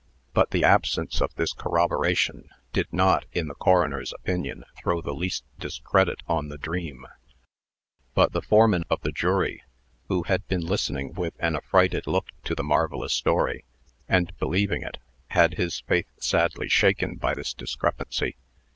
But the absence of this corroboration did not, in the coroner's opinion, throw the least discredit on the dream. But the foreman of the jury, who had been listening with an affrighted look to the marvellous story, and believing it, had his faith sadly shaken by this discrepancy.